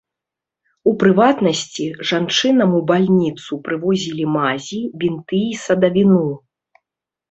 У прыватнасці, жанчынам у бальніцу прывозілі мазі, бінты і садавіну.